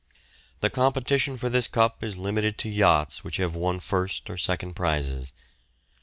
The competition for this cup is limited to yachts which have won first or second prizes.